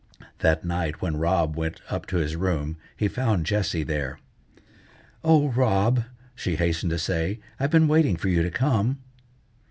That night, when Rob went up to his room, he found Jessie there. "O Rob!" she hastened to say, "I've been waiting for you to come."